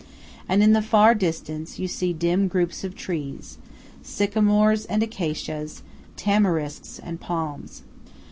And in the far distance you see dim groups of trees sycamores and acacias, tamarisks and palms.